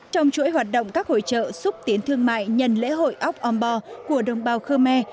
trong chuỗi hoạt động các hội trợ xúc tiến thương mại nhân lễ hội ốc ombo của đồng bào khơ me